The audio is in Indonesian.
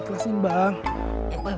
terima kasih bang